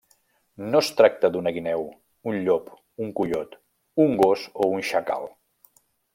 No es tracta d'una guineu, un llop, un coiot, un gos, o un xacal.